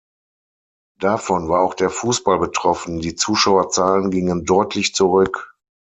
Davon war auch der Fußball betroffen; die Zuschauerzahlen gingen deutlich zurück.